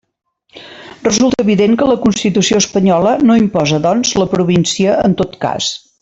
Resulta evident que la Constitució espanyola no imposa, doncs, la província en tot cas.